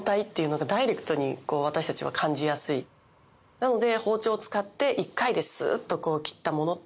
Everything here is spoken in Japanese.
なので。